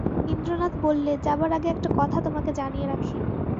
ইন্দ্রনাথ বললে, যাবার আগে একটা কথা তোমাকে জানিয়ে রাখি।